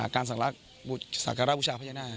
การสังลักษณ์สังฆราชบุชาพระยานาค